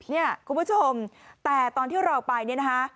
เนี่ยคุณผู้ชมแต่ตอนที่เราไปเนี่ยนะคะ